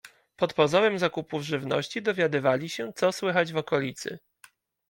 Pod pozorem zakupów żywności dowiadywali się, co słychać w okolicy.